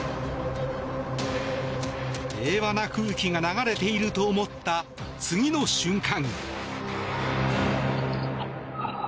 平和な空気が流れていると思った次の瞬間。